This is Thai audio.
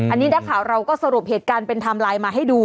อันนี้นักข่าวเราก็สรุปเหตุการณ์เป็นไทม์ไลน์มาให้ดู